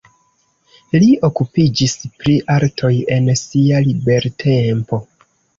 Li okupiĝis pri artoj en sia libertempo.